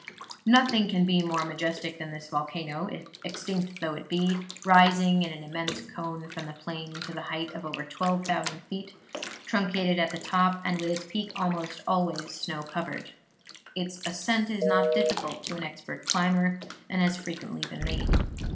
Nothing can be more majestic than this volcano, extinct though it be, rising in an immense cone from the plain to the height of over twelve thousand feet, truncated at the top, and with its peak almost always snow covered. Its ascent is not difficult to an expert climber, and has frequently been made.